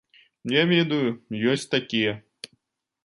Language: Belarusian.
Я ведаю, ёсць такія.